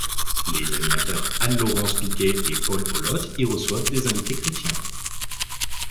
Les animateurs Anne-Laurence Piquet et Paul Ohlott y reçoivent des invités chrétiens.